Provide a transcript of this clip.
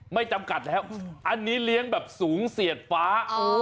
ไม่จำกัดแล้วอันนี้เลี้ยงแบบสูงเสียดฟ้า